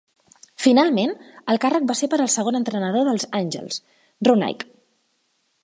Finalment, el càrrec va ser per al segon entrenador dels Angels, Roenicke.